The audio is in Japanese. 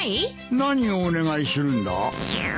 何をお願いするんだ？